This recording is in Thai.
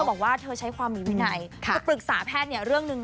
เธอบอกว่าเธอใช้ความมีวินัย